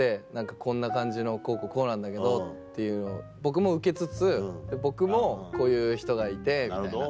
「こんな感じのこうこうこうなんだけど」っていうのを僕も受けつつ「僕もこういう人がいて」みたいな。